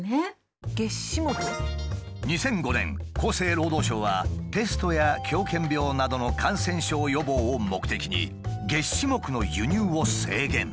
２００５年厚生労働省はペストや狂犬病などの感染症予防を目的にげっ歯目の輸入を制限。